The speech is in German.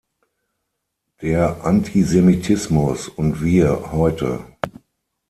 Der Antisemitismus und wir heute.